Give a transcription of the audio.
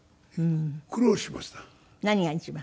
何が一番？